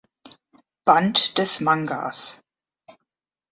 Band des Mangas.